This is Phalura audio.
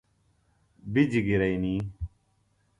بِجیۡ گِرئنی۔